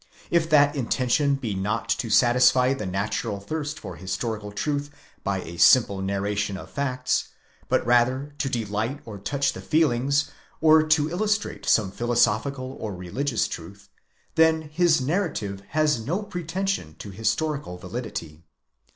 If that intention be not to satisfy the natural thirst for historical truth by a simple narration of facts, but rather to delight or touch the feelings, or to illustrate some philosophical or religious truth, then his narrative has no pretension to historical validity.